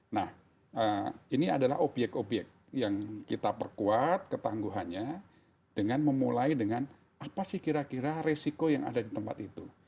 nah ini adalah obyek obyek yang kita perkuat ketangguhannya dengan memulai dengan apa sih kira kira resiko yang ada di tempat itu